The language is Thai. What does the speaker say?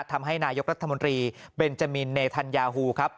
ทำให้นายกรัฐมนตรีเบนจามินเนธัญญาฮูครับ